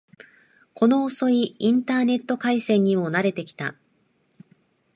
この遅いインターネット回線にも慣れてきた